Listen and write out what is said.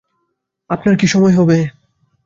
আপনার কি সময় হবে?